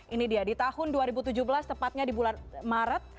ini dia di tahun dua ribu tujuh belas tepatnya di bulan maret